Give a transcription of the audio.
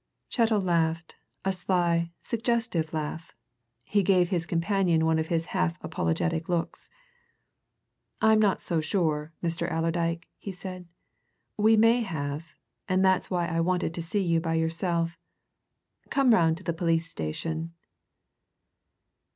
Chettle laughed a sly, suggestive laugh. He gave his companion one of his half apologetic looks. "I'm not so sure, Mr. Allerdyke," he said. "We may have and that's why I wanted to see you by yourself. Come round to the police station."